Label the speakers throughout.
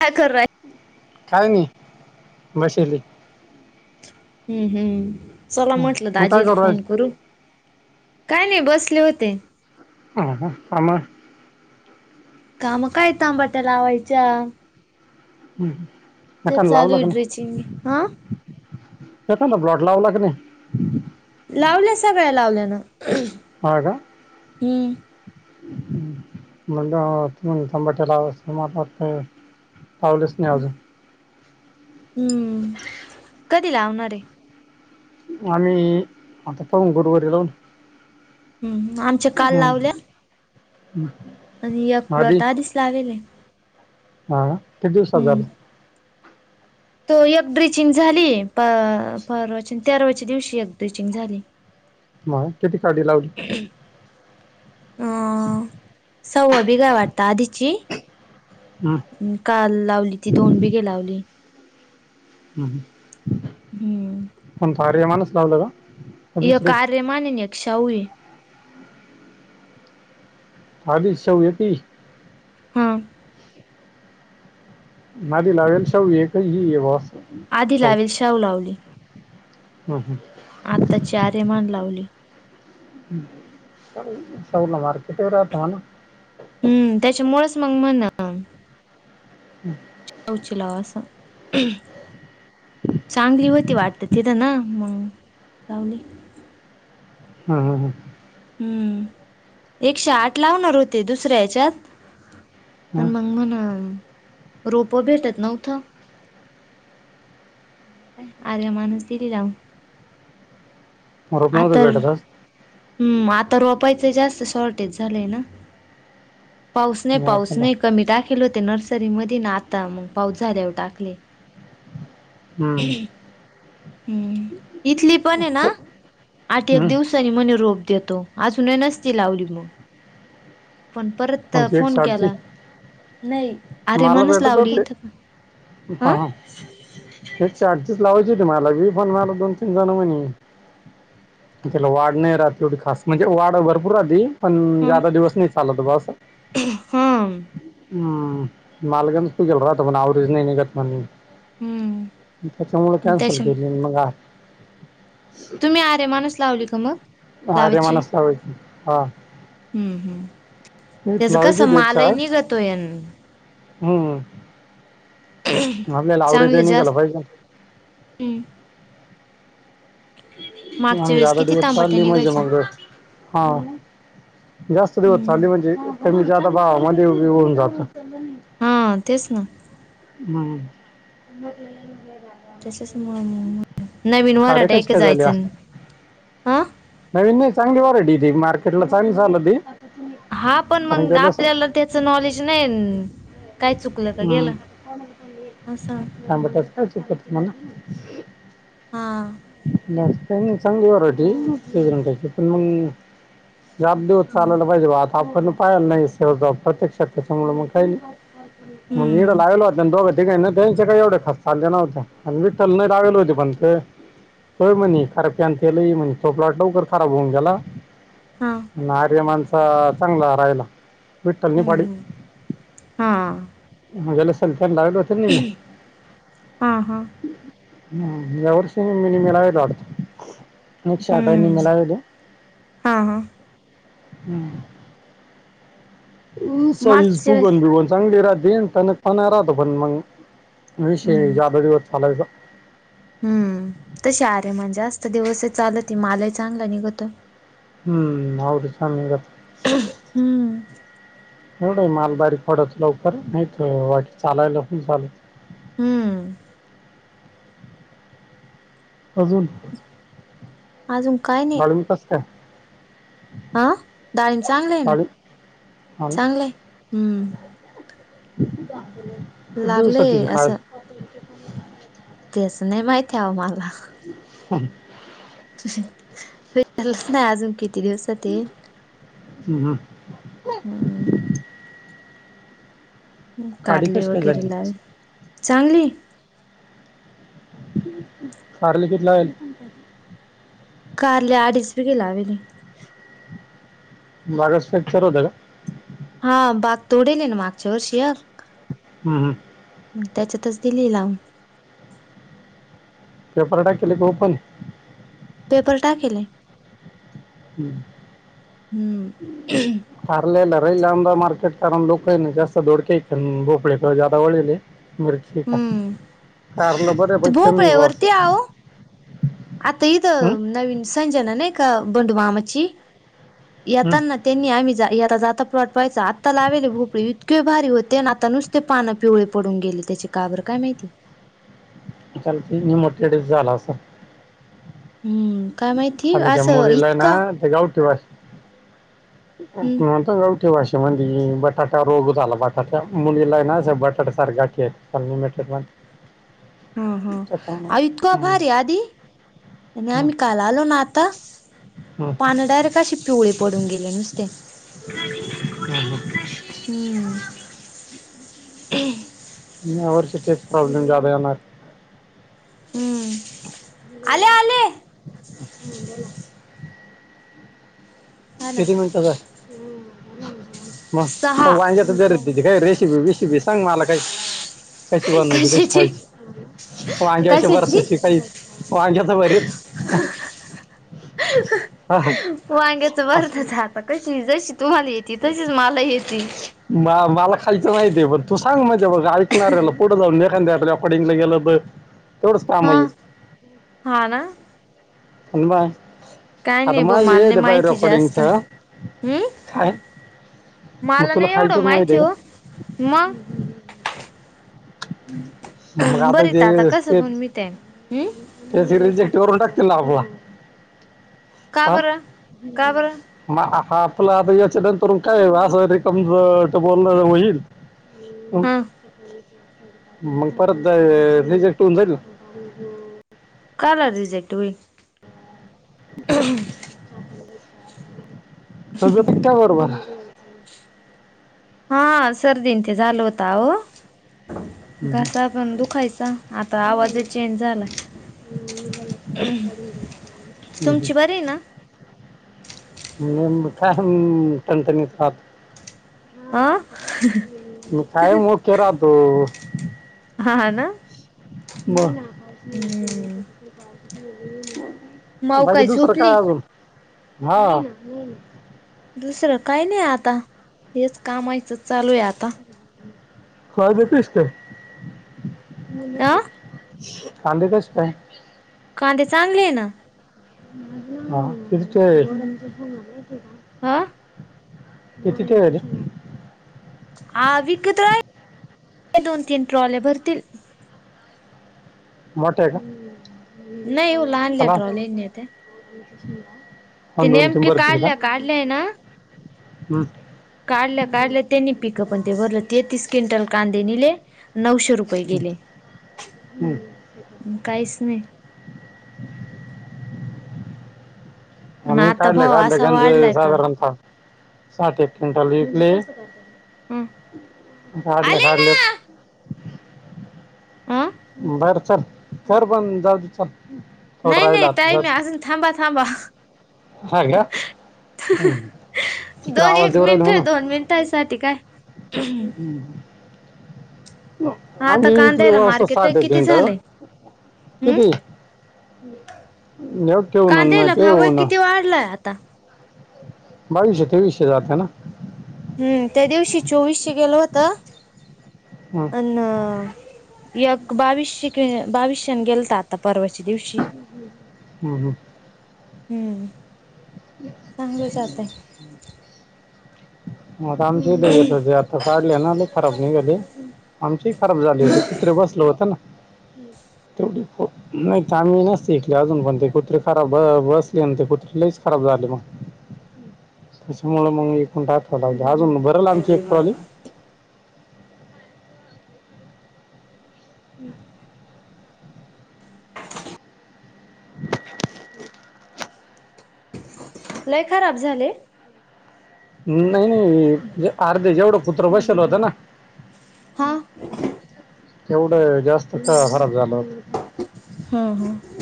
Speaker 1: काय करू ऱ्हाय
Speaker 2: हाय मी बशेले.
Speaker 1: हम्म, हम्म, चला म्हंटलं,
Speaker 2: तू काय
Speaker 1: दाजीला
Speaker 2: राहिली?
Speaker 1: फोन करू. काय नाही बसले होते.
Speaker 2: [unintelligible]
Speaker 1: काम काय, तांबट्या लावायच्या.
Speaker 2: हम् हम.
Speaker 1: ते चालू ये ड्रिचिंग हे. आ?
Speaker 2: एखंदा प्लॉट लावला का नई?
Speaker 1: लावल्या सगळ्या लावल्या ना.
Speaker 2: हा का.
Speaker 1: हम्म
Speaker 2: [unintelligible] पावलेच नाही आजून.
Speaker 1: हम्म. कधी लावणार ये.
Speaker 2: आणि आता पाऊ गुरवारी लाऊन.
Speaker 1: हम्म आमचे काल लावल्या. आणि
Speaker 2: [unintelligible]
Speaker 1: एक प्लॉट आधीच लावेल
Speaker 2: किती दिवसात
Speaker 1: हम्म
Speaker 2: झालं?
Speaker 1: तो एक ड्रिचिंग झाली, प-परवाच्या आणि तेरावाच्या दिवशी एक ड्रिचिंग झाली.
Speaker 2: माय किती काडी लावली?
Speaker 1: अ सववा बीग वाटत आधीची.
Speaker 2: हम.
Speaker 1: काल लावली ती, दोन बिघे लावली.
Speaker 2: हम्म हम्म.
Speaker 1: हम्म
Speaker 2: कोणतं आर्यमानच लावलं का? का
Speaker 1: यक
Speaker 2: दुसरे
Speaker 1: आर्यमान आणि एक शाऊ आहे.
Speaker 2: आदी शाऊ येती
Speaker 1: हा.
Speaker 2: [unintelligible] हि बुवा असं.
Speaker 1: आधी लावेल शाऊ लावली.
Speaker 2: हम् हम्.
Speaker 1: चे आर्यमान लावली.
Speaker 2: शाऊला मार्केट वर राहत ना.
Speaker 1: हम्म, त्याच्यामुळच मंग म्हण
Speaker 2: हम्म.
Speaker 1: शाऊची लाव असं चांगली व्हती वाटत तिथं, ना मंग लावली.
Speaker 2: हा हा हा.
Speaker 1: हम्म. एकशे आठ लावणार होते दुसऱ्या ह्याच्यात
Speaker 2: हम्म.
Speaker 1: पण मंग म्हण रोपं भेटतं न्हवत. आर्यामानस दिली लावून.
Speaker 2: मला
Speaker 1: आ
Speaker 2: नव्हतं
Speaker 1: तर
Speaker 2: भेटत आज
Speaker 1: हम्म आता रोपयच जास्त शॉर्टेज झालंय ना. पाऊस नई
Speaker 2: मी
Speaker 1: पाऊस
Speaker 2: आता
Speaker 1: नई कमी टाकेल होते नर्सरीमध्ये आणि आता मग पाऊस झाल्यावर टाकले.
Speaker 2: हम्म.
Speaker 1: हम्म. इथली पण ये ना आठ एक
Speaker 2: हम्म.
Speaker 1: दिवस तरी म्हणे रोप देतो, अजूनही नसती लावली मग. पण परत
Speaker 2: पण ती
Speaker 1: फोन केला नई.
Speaker 2: माला भेटत होते.
Speaker 1: हा
Speaker 2: एकशे अडतीसच लावायची होती मला बी पण दोन तीन जण म्हणली आणि त्याला वाढ नई ऱ्हात तेवढी खास म्हणजे वाढ भरपूर राहती. पण जादा
Speaker 1: हा
Speaker 2: दिवस नई चालतं बा असं. हम्म... [unintelligible]
Speaker 1: हम्म
Speaker 2: त्याच्यामुळे कॅन्सल
Speaker 1: त्याच्या
Speaker 2: केली मग हा.
Speaker 1: तुम्ही आरे माणस लावली का मग लावायची
Speaker 2: आर्यमानच लावायची हा.
Speaker 1: हम्म हम्म.
Speaker 2: मीच
Speaker 1: त्याचं
Speaker 2: लावायची
Speaker 1: कसं
Speaker 2: होती एकशे
Speaker 1: मालयी
Speaker 2: आठ
Speaker 1: निघतोय अन.
Speaker 2: हम्म आपल्याला आवरायचे
Speaker 1: चांगले
Speaker 2: नीघाला
Speaker 1: जास्त
Speaker 2: पाहिजे ना.
Speaker 1: हम्म मागच्या
Speaker 2: मग
Speaker 1: वेळेस
Speaker 2: ज्यादा
Speaker 1: किती
Speaker 2: दिवस
Speaker 1: तांबट्या
Speaker 2: चालली म्हणजे
Speaker 1: निघायच्या
Speaker 2: मग हा. जास्त दिवस
Speaker 1: हम्म
Speaker 2: चालले म्हणजे कमी जादा भावामध्ये होऊन जात.
Speaker 1: हा तेच ना.
Speaker 2: हम्मम. तु प का. [unintelligible]
Speaker 1: नवीन वराड आहे
Speaker 2: कशी
Speaker 1: का
Speaker 2: काय झाली हा?
Speaker 1: जायचं नाही.
Speaker 2: नवीन चांगली मध्ये व्हरायटी ती मार्केट ला चांगली चालती.
Speaker 1: हा पण मंग, आपल्याला त्याच नॉलेज नाही काय चुक. गेला का गेला अस.
Speaker 2: काबत असं असं करत म्ह ना. [unintelligible]
Speaker 1: हा.
Speaker 2: मस्त चांगली वरायटी [unintelligible] पण मग. या [unintelligible] चालला पाहिजे बघ आज. आपण पाईला नाही स प्रत्यक्षच्या मग कायली मग [unintelligible]
Speaker 1: हम्म
Speaker 2: लागला होता आणि दोघं तेिकही ना त्यांच्या काय एवढ्या खास चालल्या नवत्या आणि विठ्ठल नाही लागल होते पण ते. हो म्हणे, अरे त्यांच त़ो प्लॉट लवकर खराब होऊन गेला.
Speaker 1: हा
Speaker 2: आर्य माणसा चांगला राहायला. विठल नि
Speaker 1: हम्म
Speaker 2: पाडी
Speaker 1: हम्म हा
Speaker 2: जला सल त्यां लागल हो. [unintelligible]
Speaker 1: हा हा
Speaker 2: हम्म या वर्ष. [unintelligible] म मिळावेलो न श आठाईनी
Speaker 1: हम्म
Speaker 2: मिळावेल. [unintelligible]
Speaker 1: हा हा
Speaker 2: हम्म. सईज
Speaker 1: मागच्या वेळेस
Speaker 2: फुगून बिघून चांगली राहते टनक टणा राहतो पण मंग. [unintelligible] विषय
Speaker 1: हम्म
Speaker 2: जादा दिवस चालायच.
Speaker 1: हम्म तशी अरे म्हणजे जास्त दिवस चालती मालही चांगला निघतोय.
Speaker 2: हम्म्म. [unintelligible] जात.
Speaker 1: हम्म
Speaker 2: एवढं माल बारीक पडत लवकर नाहीतर बाकी चालायला पण चालत.
Speaker 1: हम्म
Speaker 2: अजून
Speaker 1: अजून काय नाही
Speaker 2: बालविकास काय?
Speaker 1: हा डाळीन चांगलं आहे ना
Speaker 2: डाळिंब हा ना.
Speaker 1: चांगलं आहे हम्म.
Speaker 2: किती दिवसात येईल
Speaker 1: लागलंय
Speaker 2: खायलं.
Speaker 1: असं तेच नाही माहिती आव आमला.
Speaker 2: हम्म. [unintelligible]
Speaker 1: विचलच [unintelligible] ना अजून किती दिवसात ते.
Speaker 2: हम्म. हम्म.
Speaker 1: हम्म
Speaker 2: काडी
Speaker 1: कारले
Speaker 2: कशी काय
Speaker 1: वगैरे
Speaker 2: झाली
Speaker 1: ला चांगलीये.
Speaker 2: कारली किती लागली.
Speaker 1: कारली अडीच पेटी लाविले.
Speaker 2: मागस फेक ठरवता का?
Speaker 1: हा बाग तोडेल ना मागच्या वर्षीय.
Speaker 2: हम्म. हम्म.
Speaker 1: मग त्याच्यातच दिलीये लावून.
Speaker 2: पेपर टाकिलेत ओपण.
Speaker 1: पेपर टाकीले.
Speaker 2: हम्म हम्म. [unintelligible] हारलेला राहिल आमददा मार्केट कारण लोकं ना जास्त धोडक्या भोपळे जादा वळेले. [unintelligible] मिरची का
Speaker 1: हम्म
Speaker 2: कारण बर
Speaker 1: ते
Speaker 2: प कमी अस.
Speaker 1: भोपळ्यावरती आहो आता इथं नवीन संजना नाही का बंड मामाची
Speaker 2: हं.
Speaker 1: येताना. त्यांनी आम्ही आता जाता प्लॉट पाहायचा. आत्ता लावेले भोपळे इतके भारी होते आणि आता नुसते. ते पानं पिवळे पडून गेले त्याची का बरं काय माहिती?
Speaker 2: चालतंय मोठे डेस झाला असेल.
Speaker 1: हम्म काय माहित.
Speaker 2: खलि त्या मुलीलाय ना ते गावठी भाषेत. [unintelligible]
Speaker 1: हम्म
Speaker 2: गावठी भाषेमध्ये बटाटा रोग झाला, बटाट्या मुलीला ना बटाट्या सारखा ते [unintelligible]
Speaker 1: हा हा. आ इतकं
Speaker 2: हम्म,
Speaker 1: भारी आधी आणि
Speaker 2: हम्म,
Speaker 1: आम्ही काल आलो ना आता
Speaker 2: हम्म,
Speaker 1: पान डायरेक्ट अशी पिवळे पडून गेले नुसते.
Speaker 2: हम्म.
Speaker 1: हम्म.
Speaker 2: या वर्षी तेच प्रॉब्लेम ज्यादा येणार.
Speaker 1: हम्म आले आले.
Speaker 2: [unintelligible]
Speaker 1: हा ना
Speaker 2: किती मिनटं झाले. मग
Speaker 1: सहा
Speaker 2: वांग्याच बर त काय रेसिबी बेसिबी सांग मला काही. कशी बनवायची, कशी
Speaker 1: कशाची
Speaker 2: खायची? वांग्याशी भर
Speaker 1: कशाची
Speaker 2: तशी काही वांग्याच भरीत. हा हा.
Speaker 1: वांग्याच
Speaker 2: असं
Speaker 1: भरताच आता कशी, जशी तुम्हाले येती तशीच मला येती.
Speaker 2: मा माला खायचं माहिती बंग तू पण सांग म्हणजे बघा ऐकणारला पुढं जाऊन लेखन द्या रेकॉर्डिंगला गेलो बंग. [inaudible]
Speaker 1: हा हाना.
Speaker 2: [unintelligible]
Speaker 1: काय
Speaker 2: आता
Speaker 1: नाही ब
Speaker 2: माझी
Speaker 1: मालने
Speaker 2: येईल पाय
Speaker 1: माहिती जास्त
Speaker 2: रेकॉर्डिंगचं
Speaker 1: हंम.
Speaker 2: काय मग
Speaker 1: मला
Speaker 2: तुला
Speaker 1: नाही एवढं
Speaker 2: खायचंच
Speaker 1: माहिती
Speaker 2: आहे
Speaker 1: ओ. मग
Speaker 2: मग आता
Speaker 1: बरीत
Speaker 2: जे
Speaker 1: कसं पण मी ते हम्म
Speaker 2: [unintelligible] त्याचे रिजेक्ट करून टाकतील ना अपला
Speaker 1: का
Speaker 2: हा.
Speaker 1: बरं का बरं
Speaker 2: मग आपलं आता याच्या नंतर काय असं रमज बोलण होईल. [unintelligible]
Speaker 1: [unintelligible]
Speaker 2: मग परत रिजेक्ट होऊन जाईल.
Speaker 1: काल रिजेक्ट वी.
Speaker 2: [unintelligible] सर्व टिकत्या बरोबर.
Speaker 1: हा सर्दी आणि ते झालं होतं अहो.
Speaker 2: हम्म,
Speaker 1: घासा पण दुखायचा, ‌आता आवाजच चेंज झालाय.
Speaker 2: हम्म.
Speaker 1: तुमची बरी आहे ना?
Speaker 2: [unintelligible] हात
Speaker 1: आं?
Speaker 2: मी कायम ओके राहतो.
Speaker 1: हा हा ना.
Speaker 2: बर.
Speaker 1: हम्म माऊ
Speaker 2: बाकी दुसरं
Speaker 1: झोपली
Speaker 2: काय अजून? हा.
Speaker 1: दुसरं काही नाही आता हेच कामायचं चालू आहे आता.
Speaker 2: हा तेसत काय
Speaker 1: अ
Speaker 2: चांली काच काय.
Speaker 1: कांदे चांगले ना.
Speaker 2: हा तिथं ते.
Speaker 1: ह
Speaker 2: किती झाले?
Speaker 1: हा विकत [unintelligible] दोन तीन ट्रॉल्या भरतील.
Speaker 2: मोठे आहे का?
Speaker 1: नाही येव लहान
Speaker 2: चला
Speaker 1: ललेट्रॉले न ते.
Speaker 2: [inaudible]
Speaker 1: ती
Speaker 2: तीन
Speaker 1: नेमकी
Speaker 2: भरतील का
Speaker 1: काढल्या काढल्याय ना.
Speaker 2: हम्म.
Speaker 1: काढल्या काढल्या त्यांनी पिकं पण ते भरलं तेहतीस क्विंटल कांदे निले. नऊशे रुप- पहिले आहे.
Speaker 2: हम्म.
Speaker 1: मग काहीच नाही. आणि
Speaker 2: आम्ही
Speaker 1: आता
Speaker 2: काढलंय
Speaker 1: भाव
Speaker 2: काढलं
Speaker 1: असा
Speaker 2: त्यांच
Speaker 1: वाढलाय का
Speaker 2: साधारणतः. साठ एक क्विंटल विकले
Speaker 1: हं
Speaker 2: काढले
Speaker 1: आले
Speaker 2: काढल्याच.
Speaker 1: ना आ?
Speaker 2: बर चल कर बंद जाऊ दे चल. थोडं
Speaker 1: नाही
Speaker 2: राहिला
Speaker 1: नाही
Speaker 2: आता
Speaker 1: टाईम आहे
Speaker 2: चल
Speaker 1: अजून थांबा थांबा.
Speaker 2: हा का तिकडे
Speaker 1: दोन
Speaker 2: आवाज
Speaker 1: एक
Speaker 2: देऊ राहील म्हणून
Speaker 1: मिनिटं, दोन मिनटा साठी काय.
Speaker 2: हम्म हम्म.
Speaker 1: आता
Speaker 2: आम्ही इथले
Speaker 1: कांद्याला
Speaker 2: असं
Speaker 1: मार्केट किती झालंय
Speaker 2: [unintelligible]
Speaker 1: हम्म
Speaker 2: किती?
Speaker 1: कांद्याला भाव किती वाढलाय
Speaker 2: [unintelligible]
Speaker 1: आता
Speaker 2: बावीशे तेवीसशे जाते ना.
Speaker 1: हम्म त्यादिवशी चोवीसशे गेलं होत.
Speaker 2: हम्म.
Speaker 1: न एक बावीसशे की बावीसशेन गेलत आता परवाच्या दिवशी.
Speaker 2: हम् हम..
Speaker 1: हम्म, चांगलं जात आहे.
Speaker 2: हम्म. आता आमची [unintelligible] आता काढले ना लई खराब निघाले. आमचीही खराब झाली होती, कुत्रे बसलं होत ना तेवढी. नाही आम्ही नसती केले, अजून पण ते कुत्रे खराब बसले आणि ते कुत्रे लईच खराब झाले मग. तसंमुळ मग [unintelligible] अजून भरलं आमची एक ट्रॉली. हम्म. [inaudible]
Speaker 1: लै खराब झाले.
Speaker 2: न नाही नाही म्हणजे अर्धे जेवढं कुत्रं बसवल होतं ना.
Speaker 1: हा
Speaker 2: तेवढं जास्त का खराब झालं होत.
Speaker 1: हम्म हम्म.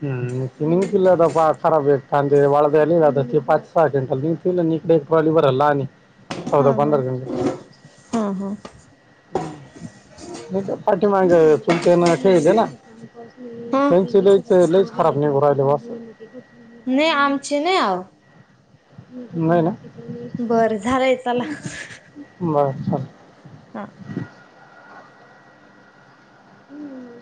Speaker 2: हम्म निघतील आता खराब आहेत कांदे वाळत घातले, ‌आता ते पाच सहा क्विंटल निघतील. [unintelligible] इकडे एक ट्रॉली भरल आणि चौदा पंधरा‌‌ दिवसात.
Speaker 1: अहो.
Speaker 2: हम्म. पाठीमाग चुलत्यानं केलंय ना
Speaker 1: हा
Speaker 2: फनची लईच लईच खराब निगू राहिली अस. [unintelligible]
Speaker 1: नाही आमचे नाही आओ.
Speaker 2: नाही ना.
Speaker 1: बरं झालंय चला.
Speaker 2: मग चला.
Speaker 1: हा.
Speaker 2: हम्म.